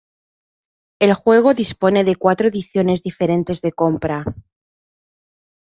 El juego dispone de cuatro ediciones diferentes de compra.